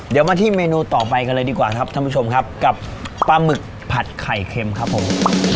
เดี๋ยวมาที่เมนูต่อไปกันเลยดีกว่าครับท่านผู้ชมครับกับปลาหมึกผัดไข่เค็มครับผม